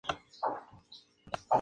Se puso en servicio el año siguiente.